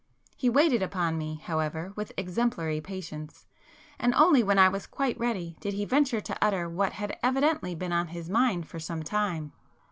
He waited upon me however with exemplary patience, and only when I was quite ready did he venture to utter what had evidently been on his mind for some time.